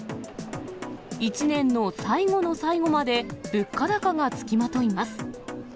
１年の最後の最後まで物価高が付きまといます。